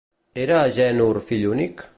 Era Agènor fill únic?